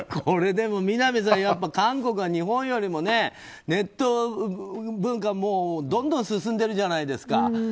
でも南さん、韓国は日本よりもネット文化がどんどん進んでるんじゃないですか。